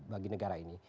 bagi negara ini